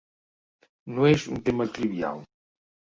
No és un tema trivial.